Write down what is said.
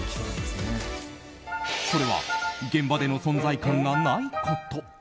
それは現場での存在感がないこと。